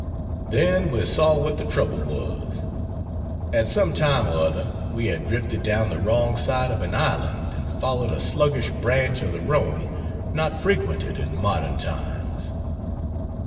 Then we saw what the trouble was at some time or other we had drifted down the wrong side of an island and followed a sluggish branch of the Rhone not frequented in modern times.